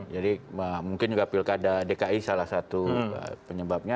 jadi mungkin juga pilkada dki salah satu penyebabnya